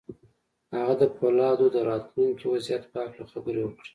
هغه د پولادو د راتلونکي وضعيت په هکله خبرې وکړې.